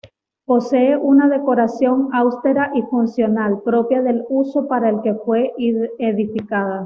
Posee una decoración austera y funcional, propia del uso para el que fue edificada.